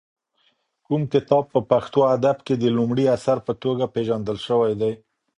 کوم کتاب په پښتو ادب کې د لومړي اثر په توګه پېژندل شوی دی؟